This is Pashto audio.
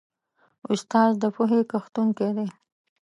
استاد د پوهې کښتونکی دی.